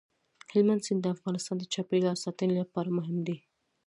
هلمند سیند د افغانستان د چاپیریال ساتنې لپاره مهم دي.